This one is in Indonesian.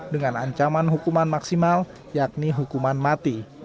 dengan ancaman hukuman maksimal yakni hukuman mati